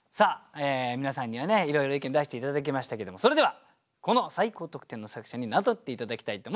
皆さんにはねいろいろ意見出して頂きましたけどもそれではこの最高得点の作者に名乗って頂きたいと思います。